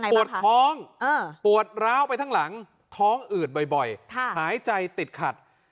ปวดท้องปวดร้าวไปทั้งหลังท้องอืดบ่อยหายใจติดขัด